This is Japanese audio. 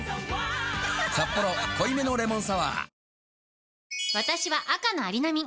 「サッポロ濃いめのレモンサワー」